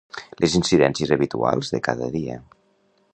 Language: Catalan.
Les incidències habituals de cada dia